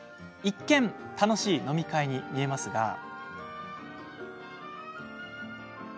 一見、楽しい飲み会に見えますが。